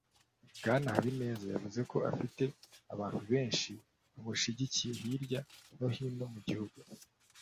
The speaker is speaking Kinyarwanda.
Bwana Habineza yavuze ko afite abantu benshi bamushyigikiye hirya no hino mu gihugu